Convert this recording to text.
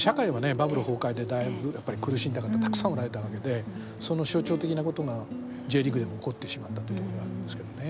バブル崩壊でだいぶやっぱり苦しんだ方たくさんおられたわけでその象徴的なことがＪリーグでも起こってしまったということがあるんですけどね。